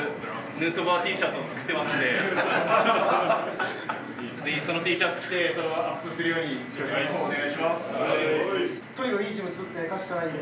ヌートバーＴシャツも作ってますので。